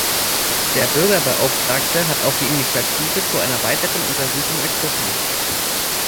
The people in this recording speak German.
Der Bürgerbeauftragte hat auch die Initiative zu einer weiteren Untersuchung ergriffen.